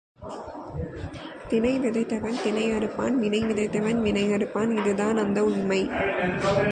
தினை விதைத்தவன் தினை அறுப்பான் வினை விதைத்தவன் வினை அறுப்பான் இதுதான் அந்த உண்மை.